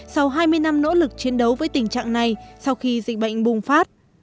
sau hai mươi năm nỗ lực chiến đấu với tình trạng này sau khi dịch bệnh bùng phát